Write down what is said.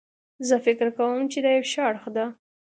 زه فکر کوم چې دا یو ښه اړخ ده